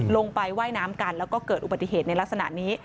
ลงไปว่ายน้ำกันแล้วก็เกิดอุบัติเหตุในลักษณะนี้